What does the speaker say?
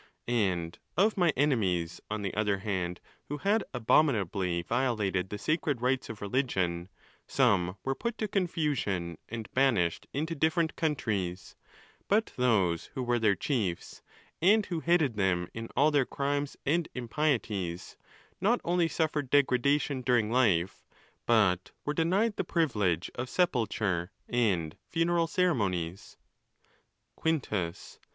And of my enemies, on the other hand, who had abomi nably violated the sacred rites of religion, some were put to confusion and banished into different countries ; but those who were their chiefs, and who headed them in all their crimes and impieties, not only suffered degradation during life, but were denied the privilege of sepulture and funeral ceremonies. Quintus.